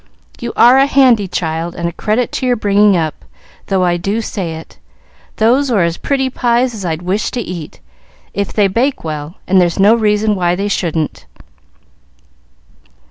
"You are a handy child and a credit to your bringing up, though I do say it. Those are as pretty pies as I'd wish to eat, if they bake well, and there's no reason why they shouldn't."